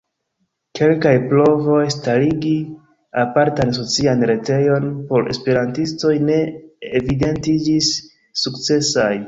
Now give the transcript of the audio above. Kelkaj provoj starigi apartan socian retejon por esperantistoj ne evidentiĝis sukcesaj.